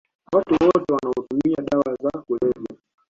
Watu wote wanaotumia dawa za kulevya